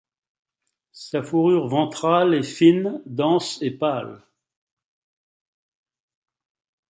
Sa fourrure ventrale est fine, dense et pâle.